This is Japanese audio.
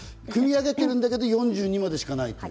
くみ上げているんだけれども、４２％までしかない。